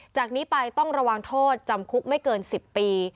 จากนี้ไปต้องระวังโทษจำคุกไม่เกิน๑๐ปี